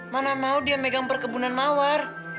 mana mau dia megang perkebunan mawar